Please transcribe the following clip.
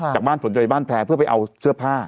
จากบ้านฝนจะไปบ้านแพ้เพื่อไปเอาเสื้อผ้า